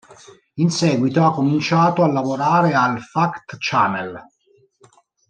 In seguito ha cominciato a lavorare al Fact Channel.